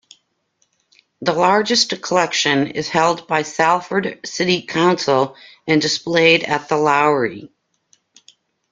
The largest collection is held by Salford City Council and displayed at The Lowry.